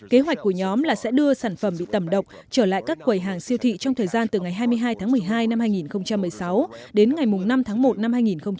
kế hoạch của nhóm là sẽ đưa sản phẩm bị tẩm độc trở lại các quầy hàng siêu thị trong thời gian từ ngày hai mươi hai tháng một mươi hai năm hai nghìn một mươi sáu đến ngày năm tháng một năm hai nghìn hai mươi